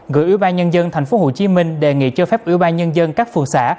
gửi ủy ban nhân dân tp hcm đề nghị cho phép ủy ban nhân dân các phường xã